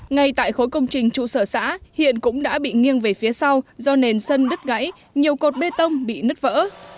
ngay tại khối công trình trụ sở xã hiện cũng đã bị nghiêng về phía sau do nền sân đứt gãy nhiều cột bê tông bị nứt vỡ